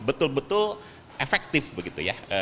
betul betul efektif begitu ya